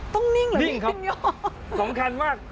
ต้องนิ่งหรือไม่ต้องยอดนิ่งครับสำคัญมาก